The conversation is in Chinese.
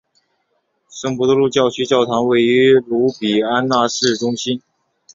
圣伯多禄教区教堂位于卢比安纳市中心。